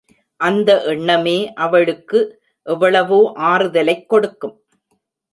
அந்த எண்ணமே அவளுக்கு எவ்வளவோ ஆறுதலைக் கொடுக்கும்.